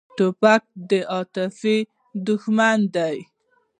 توپک د عاطفې دښمن دی.